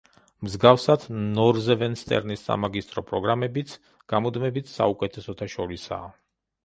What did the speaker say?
მსგავსად, ნორზვესტერნის სამაგისტრო პროგრამებიც გამუდმებით საუკეთესოთა შორისაა.